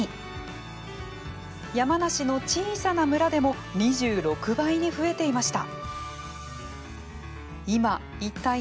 山梨の小さな村でも２６倍に増えていました。